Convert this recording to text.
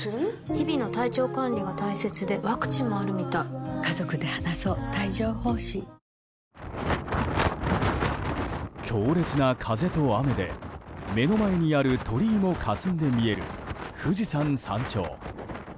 日々の体調管理が大切でワクチンもあるみたい強烈な風と雨で、目の前にある鳥居もかすんで見える富士山山頂。